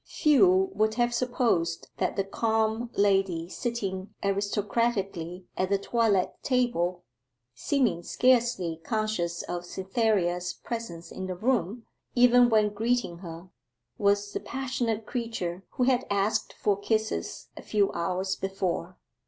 Few would have supposed that the calm lady sitting aristocratically at the toilet table, seeming scarcely conscious of Cytherea's presence in the room, even when greeting her, was the passionate creature who had asked for kisses a few hours before.